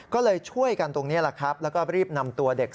ก็เลยช่วยกันตรงนี้แล้วก็รีบนำตัวเด็ก